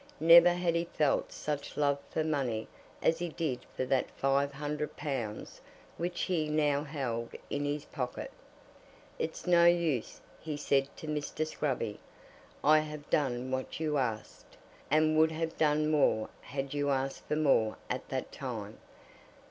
Never had he felt such love for money as he did for that five hundred pounds which he now held in his pocket. "It's no use," he said to Mr. Scruby. "I have done what you asked, and would have done more had you asked for more at that time.